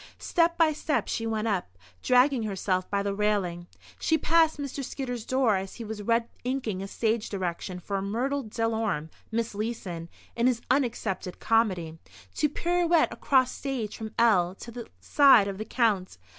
Step by step she went up, dragging herself by the railing. She passed Mr. Skidder's door as he was red inking a stage direction for Myrtle Delorme (Miss Leeson) in his (unaccepted) comedy, to "pirouette across stage from L to the side of the Count."